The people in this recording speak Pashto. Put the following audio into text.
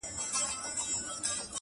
دا چي تاسي راته وایاست دا بکواس دی,